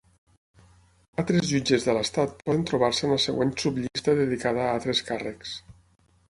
Altres jutges de l'estat poden trobar-se en la següent subllista dedicada a Altres càrrecs.